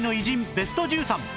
ベスト１３